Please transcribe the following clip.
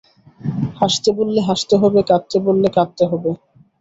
হাসতে বললে হাসতে হবে, কাঁদতে বললে কাঁদতে হবে।